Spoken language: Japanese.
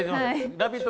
「ラヴィット！」